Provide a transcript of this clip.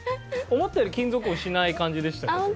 思ったより金属音しない感じでしたけど。